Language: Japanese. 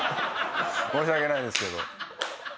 申し訳ないですけど。